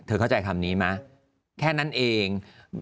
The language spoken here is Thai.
เข้าใจคำนี้ไหมแค่นั้นเอง